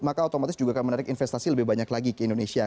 maka otomatis juga akan menarik investasi lebih banyak lagi ke indonesia